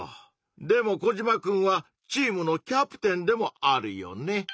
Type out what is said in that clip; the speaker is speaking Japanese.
でもコジマくんはチームの「キャプテン」でもあるよね？